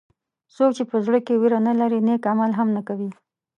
څوک چې په زړه کې وېره نه لري نیک عمل هم نه کوي.